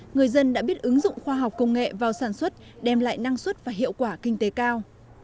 người dân đã biết ứng dụng khoa học công nghệ vào sản xuất đem lại năng suất và hiệu quả kinh tế cao